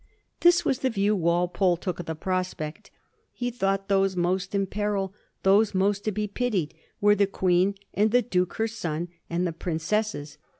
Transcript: This was the view Walpole took of the prospect. He thought those most in peril, those most to be pitied, were the Queen and the duke, her son, and the princesses.